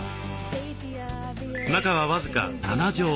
中は僅か７畳ほど。